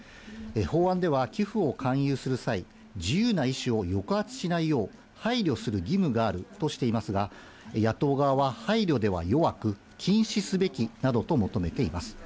法案では、寄付を勧誘する際、自由な意思を抑圧しないよう、配慮する義務があるとしていますが、野党側は配慮では弱く、禁止すべきなどと求めています。